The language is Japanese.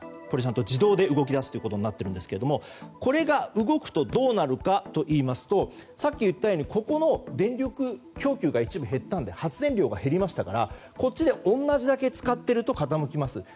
これはちゃんと自動で動き出すことになっているんですけどこれが動くとどうなるかといいますとさっき言ったようにここの電力供給が一部減ったので発電量が一部減りましたから同じ量を使っていると傾きます。